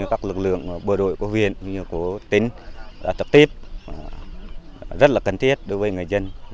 các lực lượng bộ đội có huyền có tính tập tiếp rất là cần thiết đối với người dân